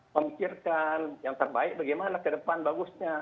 memikirkan yang terbaik bagaimana ke depan bagusnya